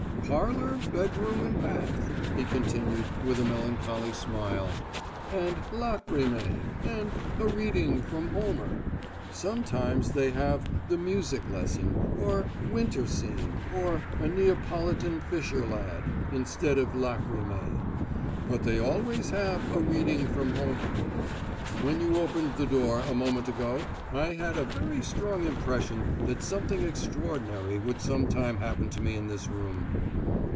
"`Parlour, bedroom, and bath,'" he continued, with a melancholy smile; "and `Lachrymae,' and `A Reading from Homer.' Sometimes they have `The Music Lesson,' or `Winter Scene' or `A Neapolitan Fisher Lad' instead of `Lachrymae,' but they always have `A Reading from Homer.' When you opened the door, a moment ago, I had a very strong impression that something extraordinary would some time happen to me in this room."